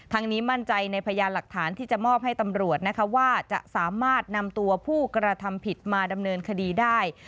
นี้มั่นใจในพยานหลักฐานที่จะมอบให้ตำรวจนะคะว่าจะสามารถนำตัวผู้กระทำผิดมาดำเนินคดีได้